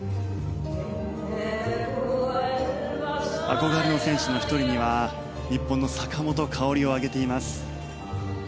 憧れの選手の１人には日本の坂本花織を挙げています。